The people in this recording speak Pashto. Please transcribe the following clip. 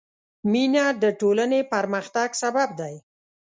مینه د ټولنې پرمختګ سبب دی.